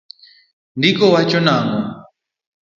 Ndiko wacho nang'o?